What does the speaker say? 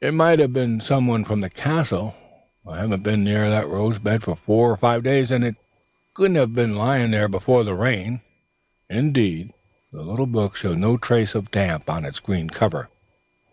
"It micht have been some one fay the castel. I hinna been near that rose bed for fower or five days. And it couldna hae been lying there afore the rain." Indeed, the little book showed no trace of damp on its green cover.